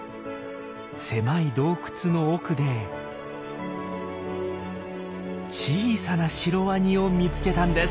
狭い洞窟の奥で小さなシロワニを見つけたんです。